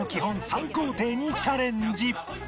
３工程にチャレンジ